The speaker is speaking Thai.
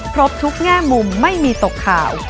ครบทุกแง่มุมไม่มีตกข่าว